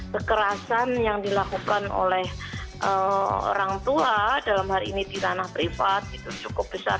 kekerasan yang dilakukan oleh orang tua dalam hari ini di ranah privat itu cukup besar